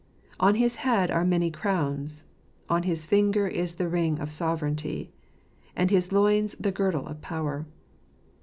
On his head are many crowns; on his finger is the ring of sovereignty; on his loins the girdle of power.